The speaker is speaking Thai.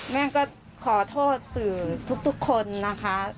แม่ก็ขอโทษสื่อทุกคนนะคะ